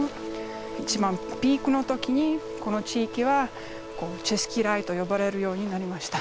一番ピークの時にこの地域はチェスキーラーイと呼ばれるようになりました。